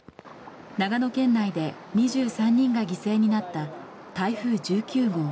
長野県内で２３人が犠牲になった台風１９号。